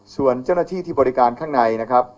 ส่วนเจ้าหน้าที่ที่บริการข้างในนะครับ